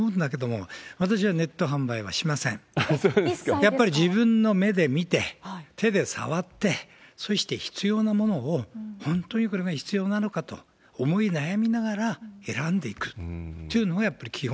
やっぱり自分の目で見て、手で触って、そして必要なものを本当にこれが必要なのかと思い悩みながら選んでいくというのがやっぱり基本。